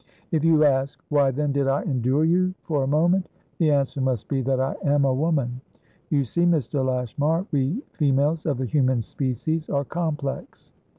If you ask: why, then, did I endure you for a moment? the answer must be, that I am a woman. You see, Mr. Lashmar, we females of the human species are complex.